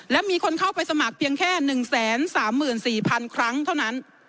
และมีคนเข้าไปสมัครเพียงแค่๑๓๔๐๐๐ครั้งเท่านั้น